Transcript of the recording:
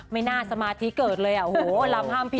ไม่น่าสมาธิเกิดเลยอ่ะรัมห้ามผิด